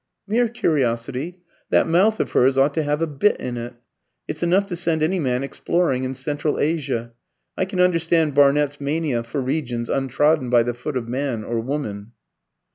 "Mere curiosity. That mouth of hers ought to have a bit in it. It's enough to send any man exploring in Central Asia. I can understand Barnett's mania for regions untrodden by the foot of man or woman."